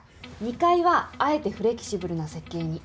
２階はあえてフレキシブルな設計に。